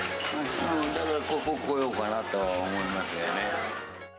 だからここ来ようかなと思いますよね。